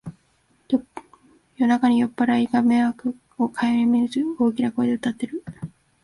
夜中に酔っぱらいが迷惑をかえりみず大きな声で歌ってる